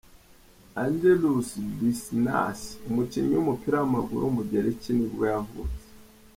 Angelos Basinas, umukinnyi w’umupira w’amaguru w’umugereki nibwo yavutse.